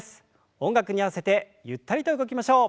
音楽に合わせてゆったりと動きましょう。